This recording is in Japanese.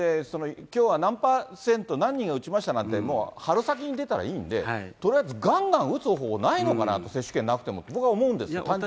きょうは何パーセント、何人が打ちましたなんて、もう春先に出たらいいんで、とりあえずがんがん打つ方法、ないのかなと、接種券なくてもと、僕は思うんですが。